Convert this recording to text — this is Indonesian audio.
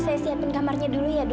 saya siapin kamarnya dulu ya dok